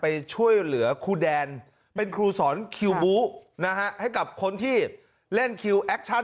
ไปช่วยเหลือครูแดนเป็นครูสอนคิวบู๊นะฮะให้กับคนที่เล่นคิวแอคชั่น